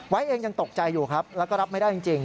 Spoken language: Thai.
เองยังตกใจอยู่ครับแล้วก็รับไม่ได้จริง